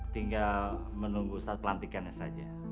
tinggal menunggu saat pelantikannya saja